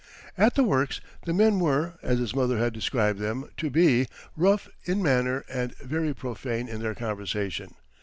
At the works, the men were, as his mother had described them to be, rough in manner and very profane in their conversation.